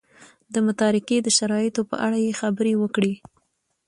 د متارکې د شرایطو په اړه یې خبرې وکړې.